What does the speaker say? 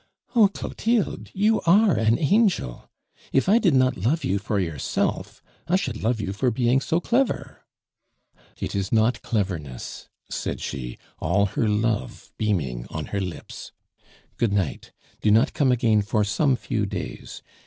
"Oh, Clotilde, you are an angel! If I did not love you for yourself, I should love you for being so clever." "It is not cleverness," said she, all her love beaming on her lips. "Goodnight. Do not come again for some few days.